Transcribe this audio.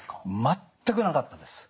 全くなかったです。